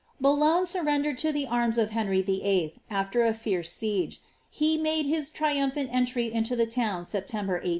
Boulogne surrendered to the arms of Henry VIII. afler a fierce siege, le made his triumphant entry into the town September 18.